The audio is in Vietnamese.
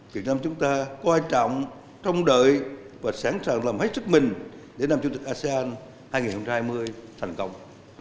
việt nam chúng ta quan trọng trông đợi và sẵn sàng làm hết sức mình để nằm chủ tịch asean hai nghìn hai mươi thành công